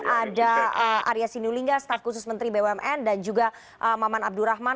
ada arya sinulinga staf khusus menteri bumn dan juga maman abdurrahman